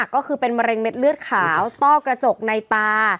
ก็คือเป็นมะเร็งเด็ดเลือดขาวต้อกระจกในตา